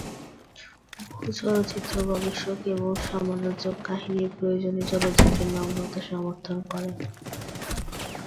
বহু চলচ্চিত্র গবেষক এবং সমালোচক কাহিনীর প্রয়োজনে চলচ্চিত্রে নগ্নতা সমর্থন করেন।